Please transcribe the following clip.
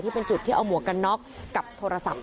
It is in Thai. เป็นจุดที่เอาหมวกกันน็อกกับโทรศัพท์